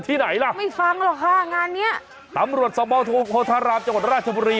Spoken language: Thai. ไม่ฟังหรอกค่ะงานนี้